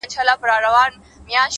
گراني چي ستا سره خبـري كوم’